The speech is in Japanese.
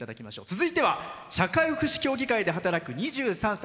続いては社会福祉協議会で働く２３歳。